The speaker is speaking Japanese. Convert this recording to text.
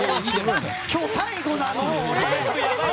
今日最後なの、俺！